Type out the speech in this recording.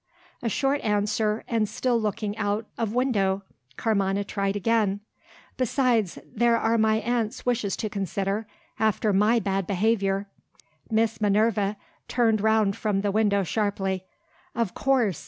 A short answer and still looking out of window! Carmina tried again. "Besides, there are my aunt's wishes to consider. After my bad behaviour " Miss Minerva turned round from the window sharply. "Of course!